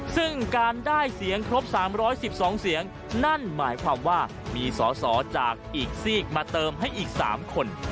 ซึ่งการได้เสียงครบ๓๑๒เสียงนั่นหมายความว่ามีสอสอจากอีกซีกมาเติมให้อีก๓คน